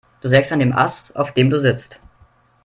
Du sägst an dem Ast, auf dem du sitzt.